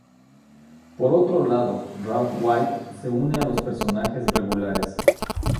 Por otro lado Ralph Waite se une a los personajes regulares.